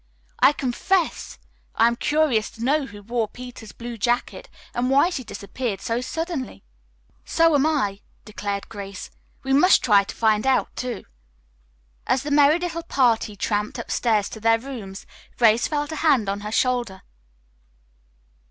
I confess I am curious to know who wore Peter's blue jacket and why she disappeared so suddenly." "So am I," declared Grace. "We must try to find out, too." As the merry little party tramped upstairs to their rooms, Grace felt a hand on her shoulder.